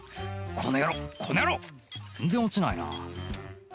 この野郎！全然落ちないな」